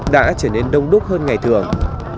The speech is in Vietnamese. đã trở nên đông đúc hơn ngày thường